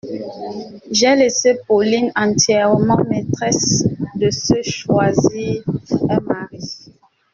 J’ai laissé Pauline entièrement maîtresse de se choisir un mari.